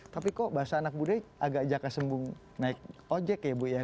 tapi kok bahasa anak budaya agak jaka sembung naik ojek ya bu ya